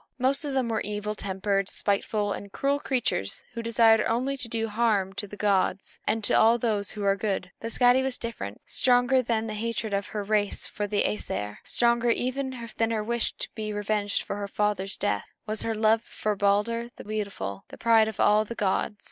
Most of them were evil tempered, spiteful, and cruel creatures, who desired only to do harm to the gods and to all who were good. But Skadi was different. Stronger than the hatred of her race for the Æsir, stronger even than her wish to be revenged for her father's death, was her love for Balder the beautiful, the pride of all the gods.